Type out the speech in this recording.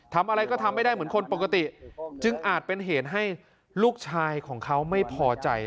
ทำอะไรก็ทำไม่ได้เหมือนคนปกติจึงอาจเป็นเหตุให้ลูกชายของเขาไม่พอใจ